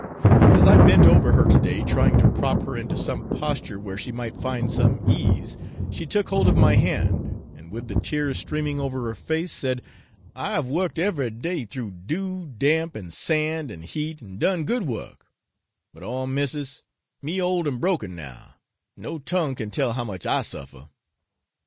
As I bent over her to day, trying to prop her into some posture where she might find some ease, she took hold of my hand, and with the tears streaming over her face, said, 'I have worked every day through dew and damp, and sand and heat, and done good work; but oh, missis, me old and broken now, no tongue can tell how much I suffer.'